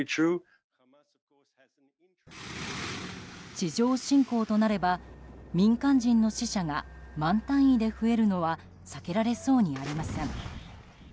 地上侵攻となれば民間人の死者が万単位で増えるのは避けられそうにありません。